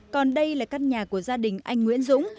còn đây là căn nhà của gia đình anh nguyễn dũng